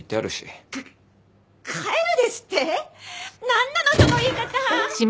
何なのその言い方！